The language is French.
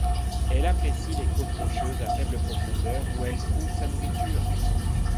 Elle apprécie les côtes rocheuses à faible profondeur, où elle trouve sa nourriture.